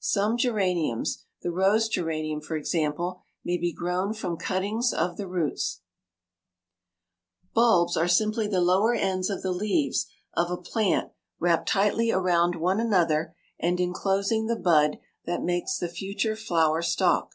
Some geraniums, the rose geranium for example, may be grown from cuttings of the roots. [Illustration: FIG. 98. REPOTTING] Bulbs are simply the lower ends of the leaves of a plant wrapped tightly around one another and inclosing the bud that makes the future flower stalk.